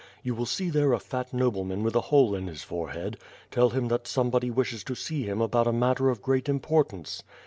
You will see there a fat nobleman with a hole in his forehead; tell him that somebody wishes to see him about a matter of great importance.